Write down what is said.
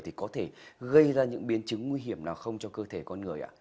thì có thể gây ra những biến chứng nguy hiểm nào không cho cơ thể con người ạ